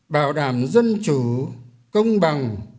bảo đảm dân chủ công bằng